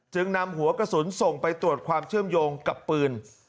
จึงนำหัวกระสุนส่งไปตรวจความเชื่อมโยงกับปืน